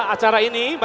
acara ini berakhir